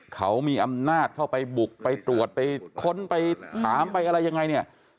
เขามีอำนาจเข้าไปบุกไปตรวจไปค้นไปถามไปอะไรยังไงเนี่ย